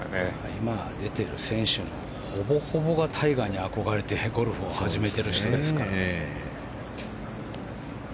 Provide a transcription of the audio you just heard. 今出ている選手のほぼほぼがタイガーに憧れてゴルフを始めている人ですから。